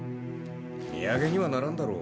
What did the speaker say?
土産にはならんだろう。